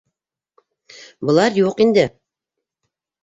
Былар юҡ инде!